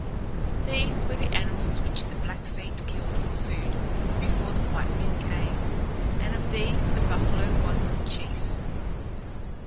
These were the animals which the Blackfeet killed for food before the white men came, and of these the buffalo was the chief.